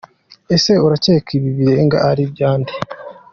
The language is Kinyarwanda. Ese urakeka ibi birenge ari ibya nde?.